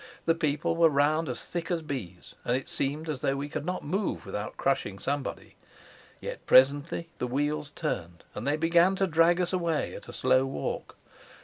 The people were round as thick as bees, and it seemed as though we could not move without crushing somebody. Yet presently the wheels turned, and they began to drag us away at a slow walk.